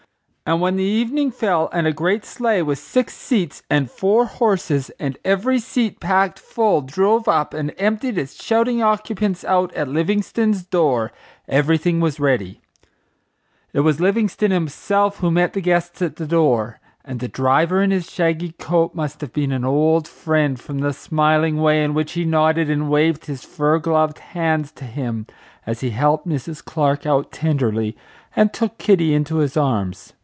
And when the evening fell and a great sleigh with six seats and four horses, and every seat packed full, drove up and emptied its shouting occupants out at Livingstone's door everything was ready. It was Livingstone himself who met the guests at the door, and the driver, in his shaggy coat, must have been an old friend from the smiling way in which he nodded and waved his fur gloved hands to him, as he helped Mrs. Clark out tenderly and took Kitty into his arms.